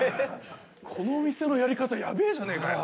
このお店のやり方ヤベえじゃねえかよ